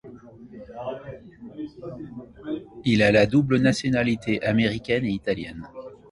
Il a la double nationalité, américaine et italienne.